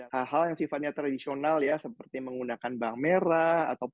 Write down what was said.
hal hal yang sifatnya tradisional ya seperti menggunakan bank merah